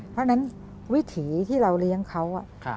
เพราะฉะนั้นวิถีที่เราเลี้ยงเขา